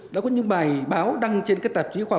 đã có những bài báo đăng trên các tạp chí khoa học